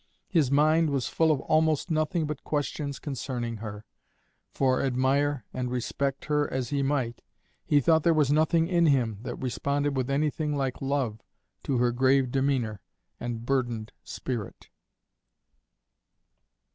His mind was full of almost nothing but questions concerning her, for, admire and respect her as he might, he thought there was nothing in him that responded with anything like love to her grave demeanour and burdened spirit.